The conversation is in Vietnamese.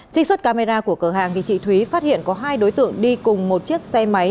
trích xuất camera của cửa hàng chị thúy phát hiện có hai đối tượng đi cùng một chiếc xe máy